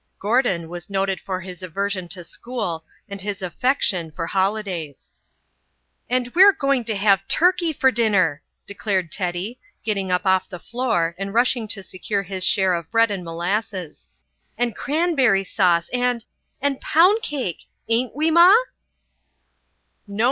Gordon was noted for his aversion to school and his affection for holidays. "And we're going to have turkey for dinner," declared Teddy, getting up off the floor and rushing to secure his share of bread and molasses, "and cranb'ry sauce and and pound cake! Ain't we, Ma?"